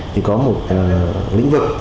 thì có một lĩnh vực